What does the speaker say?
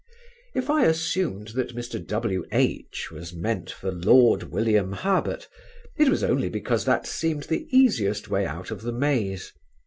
If I assumed that "Mr. W.H." was meant for Lord William Herbert, it was only because that seemed the easiest way out of the maze.